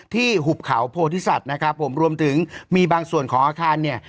หุบเขาโพธิสัตว์นะครับผมรวมถึงมีบางส่วนของอาคารเนี่ย